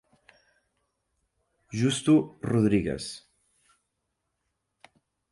Justo Rodríguez.